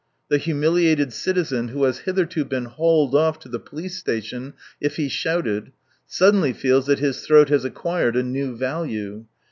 The humiliated citizen who has hitherto been hauled off to the police station if he shouted, suddenly feels that his throat has acquired a new value.